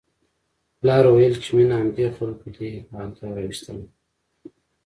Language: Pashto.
پلار وویل چې مينه همدې خلکو دې حال ته راوستله